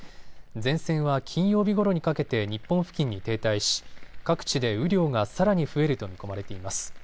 前線は金曜日ごろにかけて日本付近に停滞し各地で雨量がさらに増えると見込まれています。